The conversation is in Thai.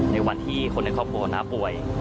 ในวันที่คนในครอบครัวน้าป่วย